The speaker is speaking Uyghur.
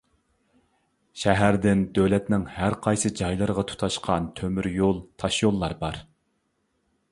شەھەردىن دۆلەتنىڭ ھەرقايسى جايلىرىغا تۇتاشقان تۆمۈر يول، تاشيوللار بار.